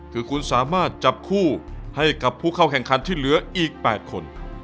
คือคุณสามารถจับคู่ให้กับผู้เข้าแข่งขันที่เหลืออีก๘คน